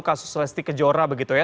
kasus lesti kejora begitu ya